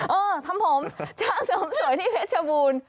เออทำผมชาเสริมสวยที่เพชรบูรณ์